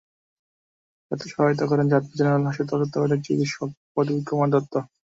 এতে সহায়তা করেন চাঁদপুর জেনারেল হাসপাতালের তত্ত্বাবধায়ক চিকিৎসক প্রদীপ কুমার দত্ত।